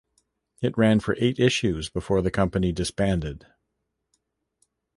It ran for eight issues before the company disbanded.